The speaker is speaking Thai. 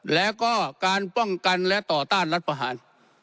แล้วก็การป้องกันและต่อต้านรัฐประหาร